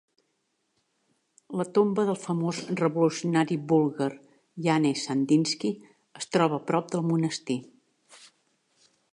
La tomba del famós revolucionari búlgar Yane Sandanski es troba prop del monestir.